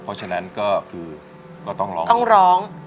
เพราะฉะนั้นก็คือก็ต้องร้อง